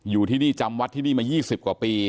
อยู่ที่นี่จำวัดที่นี่มา๒๐กว่าปี